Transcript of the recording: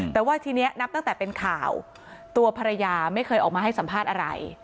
แต่ว่าทีนี้นับตั้งแต่เป็นข่าวตัวภรรยาไม่เคยออกมาให้สัมภาษณ์อะไร